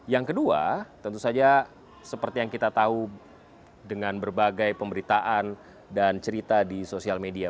yang kedua tentu saja seperti yang kita tahu dengan berbagai pemberitaan dan cerita di sosial media